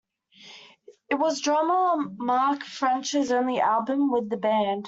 It was drummer Mark French's only album with the band.